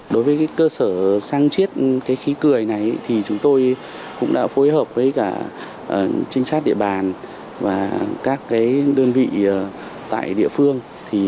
đối với cơ sở săn chiết khí cười này thì chúng tôi cũng đã phối hợp với cả trinh sát địa bàn và các đơn vị tại địa phương